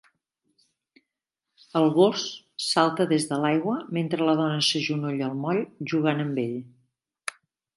El gos salta des de l'aigua mentre la dona s'agenolla al moll jugant amb ell